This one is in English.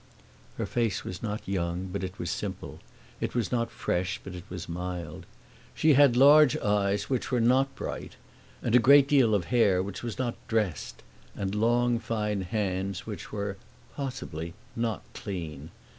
Her face was not young, but it was simple; it was not fresh, but it was mild. She had large eyes which were not bright, and a great deal of hair which was not "dressed," and long fine hands which were possibly not clean.